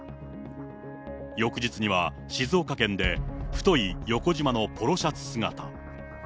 翌日には、静岡県で太い横じまのポロシャツ姿。